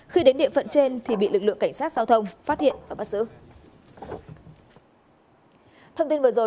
khi đến địa phận trên thì bị lực lượng cảnh sát giao thông phát hiện và bắt giữ